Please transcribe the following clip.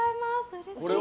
うれしい。